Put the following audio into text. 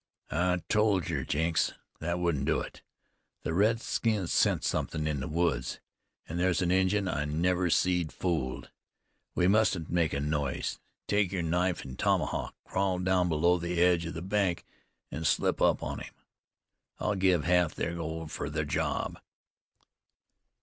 "I told yer, Jenks, that it wouldn't do. The redskin scents somethin' in the woods, an' ther's an Injun I never seed fooled. We mustn't make a noise. Take yer knife an' tomahawk, crawl down below the edge o' the bank an' slip up on him. I'll give half ther gold fer ther job."